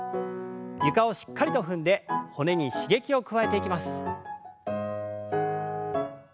床をしっかりと踏んで骨に刺激を加えていきます。